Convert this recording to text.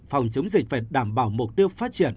phòng chống dịch phải đảm bảo mục tiêu phát triển